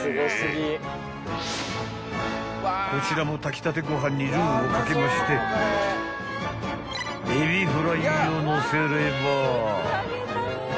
［こちらも炊きたてご飯にルーを掛けましてエビフライをのせれば］